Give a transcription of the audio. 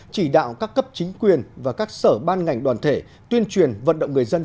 chỉ đạo các cấp chính quyền và các sở ban ngành đoàn thể tuyên truyền vận động người dân